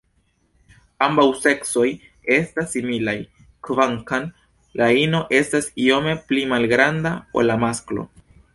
Ambaŭ seksoj estas similaj, kvankam la ino estas iome pli malgranda ol la masklo.